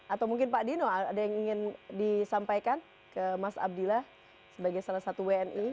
atau mungkin pak dino ada yang ingin disampaikan ke mas abdillah sebagai salah satu wni